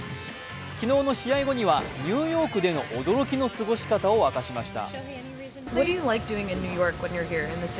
昨日の試合後には、ニューヨークでの驚きの過ごし方を明かしました。